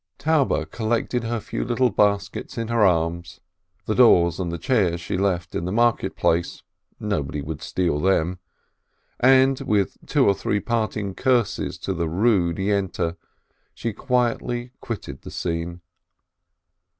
Taube collected her few little baskets into her arms (the door and the chairs she left in the market place; nobody would steal them), and with two or three parting curses to the rude Yente, she quietly quitted the scene.